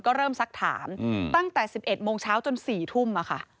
ก็เริ่มซักถามตั้งแต่๑๑โมงเช้าจน๔ทุ่ม